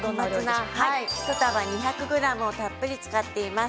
２００ｇたっぷり使っています。